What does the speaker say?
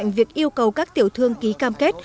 việc yêu cầu các tiểu thương ký cam kết